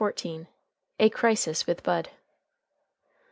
A CRISIS WITH BUD.